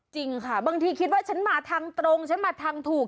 จริงค่ะบางทีคิดว่าฉันมาทางตรงฉันมาทางถูก